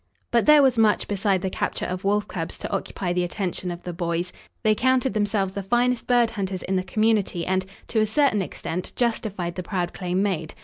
But there was much beside the capture of wolf cubs to occupy the attention of the boys. They counted themselves the finest bird hunters in the community and, to a certain extent, justified the proud claim made.